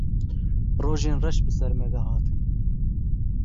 Rojên reş bi ser me de hatin.